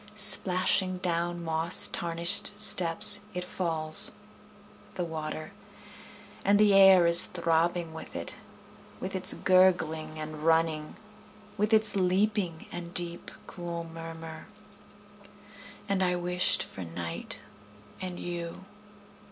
Splashing down moss tarnished steps It falls, the water; And the air is throbbing with it. With its gurgling and running. With its leaping, and deep, cool murmur. And I wished for night and you.